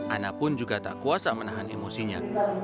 ana pun juga tak kuasa menahan emosinya